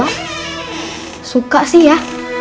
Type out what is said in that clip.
bapak suka sih ya